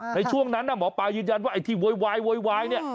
ในช่วงนั้นหมอปลายืนยันว่าไอ้ที่โวยวายโวยวายเนี่ย